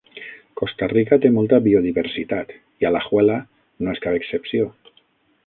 Costa Rica té molta biodiversitat i Alajuela no és cap excepció.